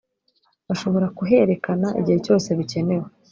bashobora kuherekana igihe cyose bikenewe